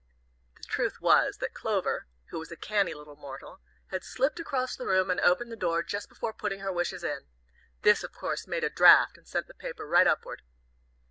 The truth was, that Clover, who was a canny little mortal, had slipped across the room and opened the door just before putting her wishes in. This, of course, made a draft, and sent the paper right upward.